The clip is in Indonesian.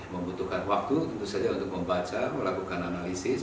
membutuhkan waktu tentu saja untuk membaca melakukan analisis